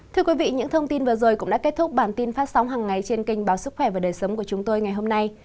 thưa quý vị những thông tin vừa rồi cũng đã kết thúc bản tin phát sóng hằng ngày trên kênh báo sức khỏe và đời sống của chúng tôi ngày hôm nay